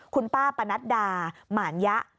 คุณป้าปนัดดาหมานยะ